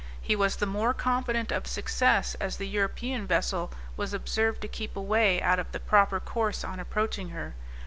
He was the more confident of success, as the European vessel was observed to keep away out of the proper course on approaching her.